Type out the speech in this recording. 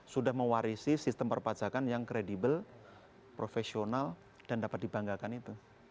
sudah mewarisi sistem perpajakan yang kredibel profesional dan dapat dibanggakan itu